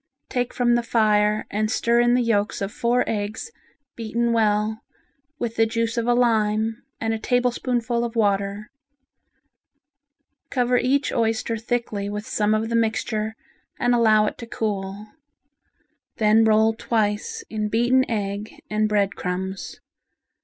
Take from the fire and stir in the yolks of four eggs beaten well with the juice of a lime and a tablespoonful of water. Cover each oyster thickly with some of the mixture and allow it to cool. Then roll twice in beaten egg and bread crumbs.